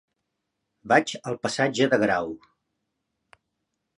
Vaig al passatge de Grau.